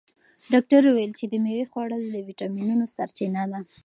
ډاکتر وویل چې د مېوې خوړل د ویټامینونو سرچینه ده.